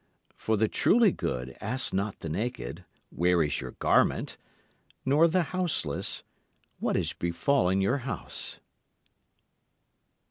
For the truly good ask not the naked, "Where is your garment?" nor the houseless, "What has befallen your house?"